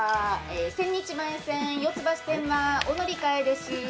千日前線、四つ橋線はお乗り換えです。